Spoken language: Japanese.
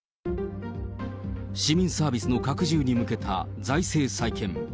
市民サービスの拡充に向けた財政再建。